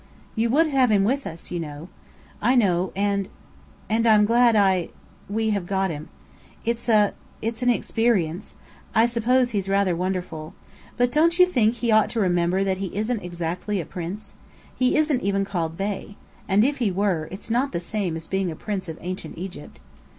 "You would have him with us, you know!" "I know. And and I'm glad I we have got him. It's a it's an experience. I suppose he's rather wonderful. But don't you think he ought to remember that he isn't exactly a prince? He isn't even called Bey. And if he were, its not the same as being a prince of Ancient Egypt."